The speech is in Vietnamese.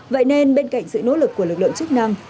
vậy nên bên cạnh sự nỗ lực của lực lượng chức năng